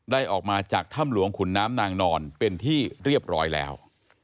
ออกมาจากถ้ำหลวงขุนน้ำนางนอนเป็นที่เรียบร้อยแล้ว